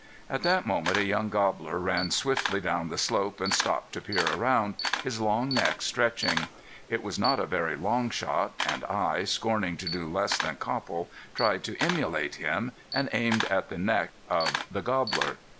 At that moment a young gobbler ran swiftly down the slope and stopped to peer around, his long neck stretching. It was not a very long shot, and I, scorning to do less than Copple, tried to emulate him, and aimed at the neck of the gobbler.